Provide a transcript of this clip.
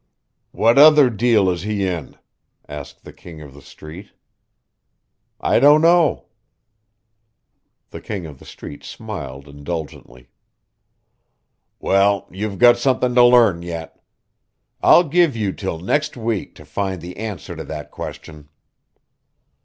"What other deal is he in?" asked the King of the Street. "I don't know." The King of the Street smiled indulgently. "Well, you've got something to learn yet. I'll give you till next week to find the answer to that question."